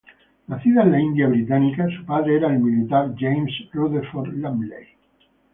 Nacida en la India Británica, su padre era el militar James Rutherford-Lumley.